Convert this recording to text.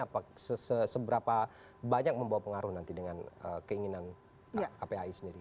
apa seberapa banyak membawa pengaruh nanti dengan keinginan kpai sendiri